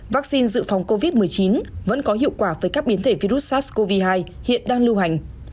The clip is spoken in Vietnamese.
vaccine dự phòng covid một mươi chín vẫn có hiệu quả với các biến thể virus sars cov hai hiện đang lưu hành